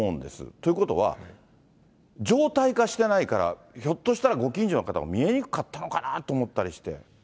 ということは、常態化してないから、ひょっとしたらご近所の方が見えにくかったのかなと思ったりして。